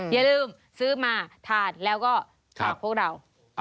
อย่าลืมซื้อมาทานแล้วก็ฝากพวกเรา